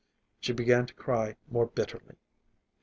She began to cry more bitterly.